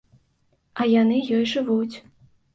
А яны ёй жывуць.